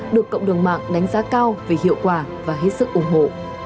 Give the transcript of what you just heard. được cộng đường mạng đánh giá cao vì hiệu quả và hết sức ủng hộ